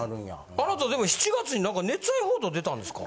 あなたでも７月に何か熱愛報道出たんですか？